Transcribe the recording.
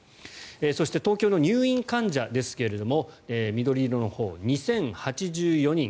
そして、東京の入院患者ですが緑色のほう２０８４人。